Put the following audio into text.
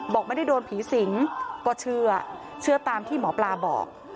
บอกไม่ได้โดนผีสิงก็เชื่อเชื่อตามที่หมอปลาบอก